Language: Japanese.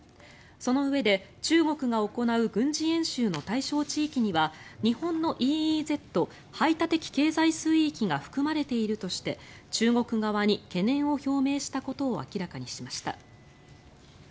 そのうえで、中国が行う軍事演習の対象地域には日本のＥＥＺ・排他的経済水域が含まれているとして中国側に懸念を表明したことを明らかにしました。